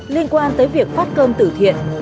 liên quan tới việc phát cơm từ thiện